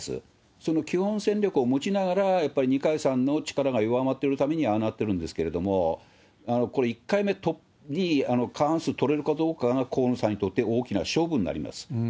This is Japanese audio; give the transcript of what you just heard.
その基本戦略を持ちながら、やっぱり二階さんの力が弱まっているためにああなってるんですけれども、これ、１回目に過半数取れるかどうかが河野さんにとって大きな勝負になります。